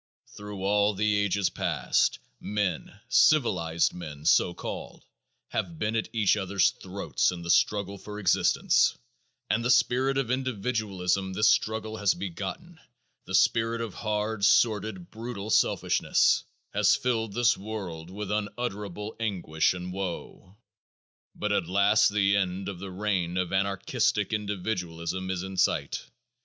Thru all the ages past men, civilized men, so called, have been at each other's throats in the struggle for existence, and the spirit of individualism this struggle has begotten, the spirit of hard, sordid, brutal selfishness, has filled this world with unutterable anguish and woe. But at last the end of the reign of anarchistic individualism is in sight.